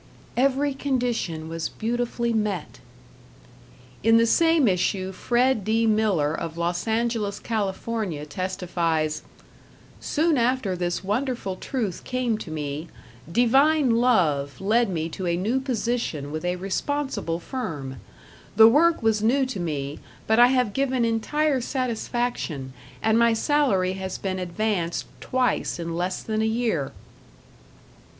"Every condition was beautifully met." In the same issue Fred D. Miller of Los Angeles, Cal., testifies: "Soon after this wonderful truth came to me, Divine Love led me to a new position with a responsible firm. The work was new to me, but I have given entire satisfaction, and my salary has been advanced twice in less than a year."